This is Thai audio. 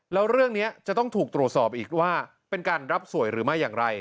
แล้วเรื่องนี้จะต้องถูกตรวจสอบอีกว่าเป็นการรับสวยหรือไม่อย่างไร